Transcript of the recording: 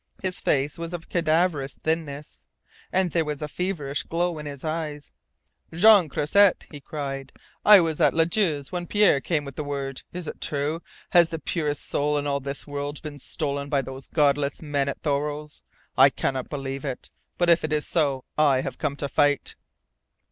His face was of cadaverous thinness, and there was a feverish glow in his eyes. "Jean Croisset!" he cried. "I was at Ladue's when Pierre came with the word. Is it true? Has the purest soul in all this world been stolen by those Godless men at Thoreau's? I cannot believe it! But if it is so, I have come to fight!"